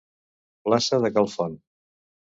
Plaça de Cal Font.